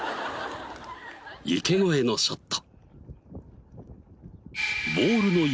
池越えのショット。